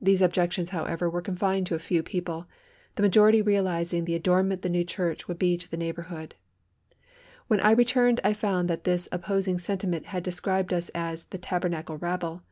These objections, however, were confined to a few people, the majority realising the adornment the new church would be to the neighbourhood. When I returned I found that this opposing sentiment had described us as "the Tabernacle Rabble."